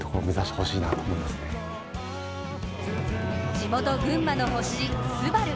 地元・群馬の星、ＳＵＢＡＲＵ！